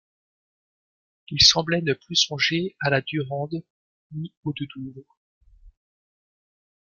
Il semblait ne plus songer à la Durande ni aux deux Douvres.